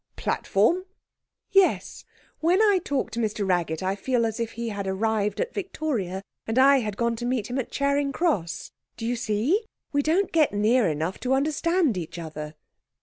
'Platform?' 'Yes. When I talk to Mr Raggett I feel as if he had arrived at Victoria, and I had gone to meet him at Charing Cross. Do you see? We don't get near enough to understand each other.'